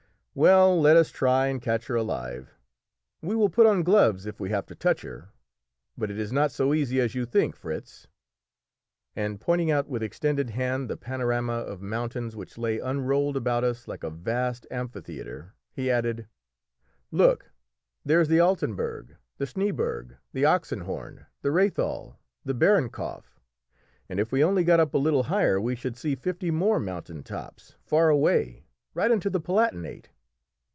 "Well, let us try and catch her alive. We will put on gloves if we have to touch her, but it is not so easy as you think, Fritz." And pointing out with extended hand the panorama of mountains which lay unrolled about us like a vast amphitheatre, he added "Look! there's the Altenberg, the Schnéeberg, the Oxenhorn, the Rhéthal, the Behrenkopf, and if we only got up a little higher we should see fifty more mountain tops far away, right into the Palatinate.